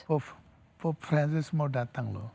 nanti pope francis mau datang loh